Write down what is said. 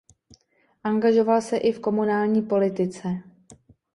Angažoval se i v komunální politice.